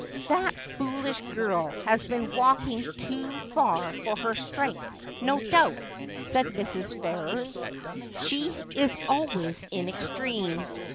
' That foolish girl has been walking too far for her strength, no doubt,' said Mrs. Ferrers. ' She is always in extremes.